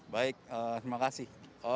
baik terima kasih